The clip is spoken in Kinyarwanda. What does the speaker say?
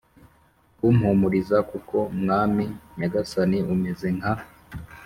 Kumpumuriza kuko mwami nyagasani umeze nka